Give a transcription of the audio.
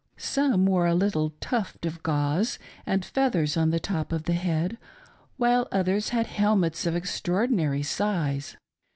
Some wore a little tuft of gauze and feather's on tiie top of the head, while othe!rs had helmets of extraor dinary size.